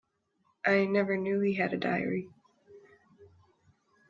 I never knew he had a diary.